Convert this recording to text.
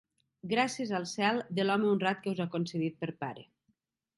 Gràcies al cel de l'home honrat que us ha concedit per pare!